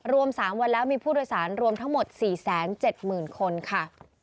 รวม๓วันแล้วมีผู้โดยสารรวมทั้งหมด๔๗๐๐๐คนค่ะ